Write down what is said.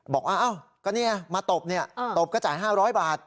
บอกอ้าวก็นี่มาตบตบก็จ่าย๕๐๐บาท